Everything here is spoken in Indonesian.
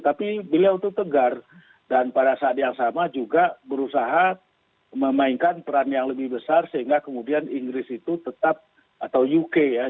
tapi beliau itu tegar dan pada saat yang sama juga berusaha memainkan peran yang lebih besar sehingga kemudian inggris itu tetap atau uk ya